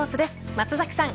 松崎さん